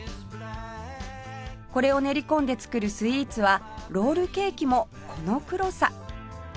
これを練り込んで作るスイーツはロールケーキもこの黒さ